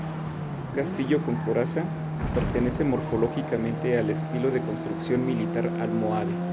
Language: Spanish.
Castillo con coraza, pertenece morfológicamente al estilo de construcción militar almohade.